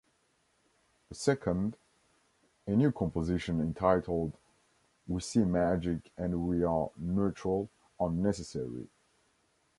The second, a new composition entitled "We See Magic and We Are Neutral, Unnecessary".